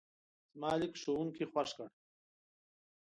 زما لیک ښوونکی خوښ کړ.